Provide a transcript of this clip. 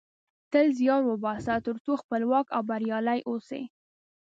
تل زیار وباسه ترڅو خپلواک او بریالۍ اوسی